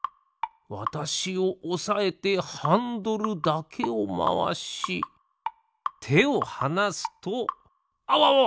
わたしをおさえてハンドルだけをまわしてをはなすとあわわわ！